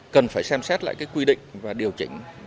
cần phải xem xét lại cái quy định và điều chỉnh